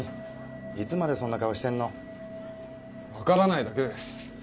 いつまでそんな顔してんの分からないだけです